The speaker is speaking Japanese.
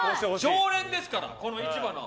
常連ですから、この市場の。